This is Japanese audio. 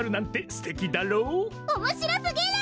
おもしろすぎる！